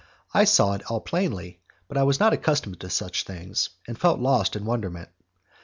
I saw it all plainly, but I was not accustomed to such things, and felt lost in wonderment.